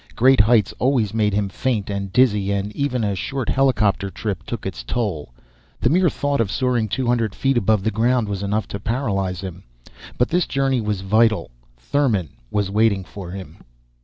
Great heights always made him faint and dizzy, and even a short helicopter trip took its toll the mere thought of soaring two hundred feet above the ground was enough to paralyze him. But this journey was vital. Thurmon was waiting for him.